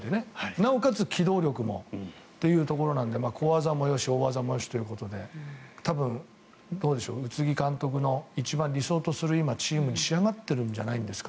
なおかつ機動力もというところなので小技もよし大技もよしということで多分、宇津木監督の一番理想とするチームに仕上がってるんじゃないですか？